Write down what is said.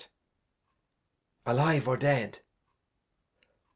Alive, or Dead